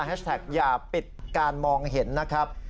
แฮชแท็กอย่าปิดการมองเห็นนะครับ